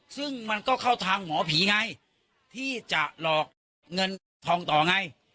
ซึ่งมันก็เข้าทางหมอผีไงที่จะหลอกเงินทองต่อไง